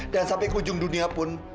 dan sampai ke ujung dunia pun